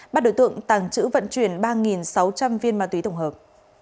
bắt đối tượng tàng trữ vận chuyển ba sáu trăm linh viên ma túy tổng hợp